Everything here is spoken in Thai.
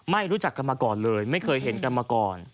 รู้จักกันมาก่อนเลยไม่เคยเห็นกันมาก่อน